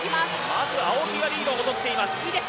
まず青木がリードをとっています。